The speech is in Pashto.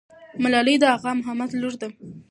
ملالۍ د اغا محمد لور ده.